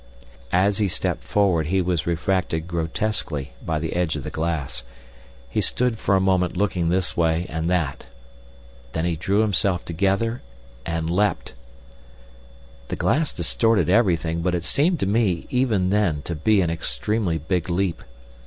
As he stepped forward he was refracted grotesquely by the edge of the glass. He stood for a moment looking this way and that. Then he drew himself together and leapt. The glass distorted everything, but it seemed to me even then to be an extremely big leap.